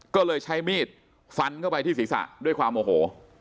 ก็เลยใช้มีดฟันเข้าไปที่ศีรษะด้วยความโอโห